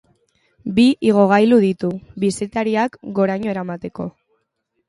Bi igogailu ditu, bisitariak goraino eramateko.